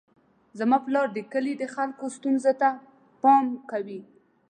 زما پلار د کلي د خلکو ستونزو ته پام کوي.